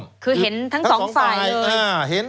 คือเห็นทั้งสองฝ่ายเลย